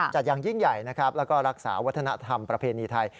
อย่างยิ่งใหญ่นะครับแล้วก็รักษาวัฒนธรรมประเพณีไทย